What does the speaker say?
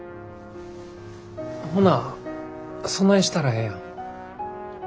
ほなそないしたらええやん。